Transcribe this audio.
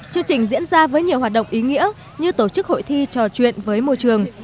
chương trình diễn ra với nhiều hoạt động ý nghĩa như tổ chức hội thi trò chuyện với môi trường